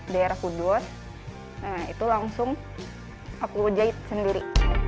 di daerah kudus nah itu langsung aku jahit sendiri